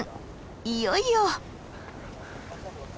いよいよ！